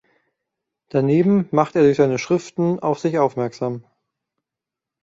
Daneben machte er durch seine Schriften auf sich aufmerksam.